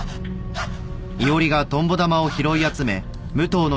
あっ